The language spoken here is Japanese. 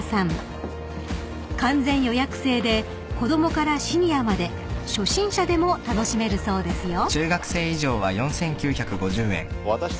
［完全予約制で子供からシニアまで初心者でも楽しめるそうですよ］